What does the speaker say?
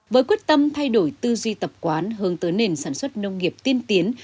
với quyết tâm thay đổi tư duy tập quán hướng tới nền sản xuất nông nghiệp tiên tiến